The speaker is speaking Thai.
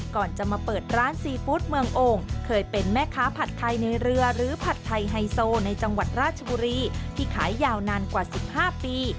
ใครในเรือหรือผัดไทยไฮโซในจังหวัดราชบุรีที่ขายยาวนานกว่า๑๕ปี